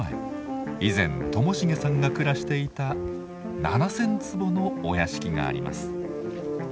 以前寛茂さんが暮らしていた７，０００坪のお屋敷があります。